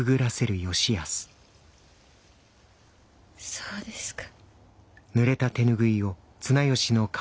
そうですか。